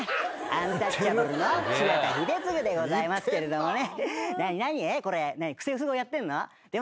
アンタッチャブルの柴田英嗣でございますけれどもね。